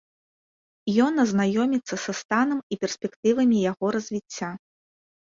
Ён азнаёміцца са станам і перспектывамі яго развіцця.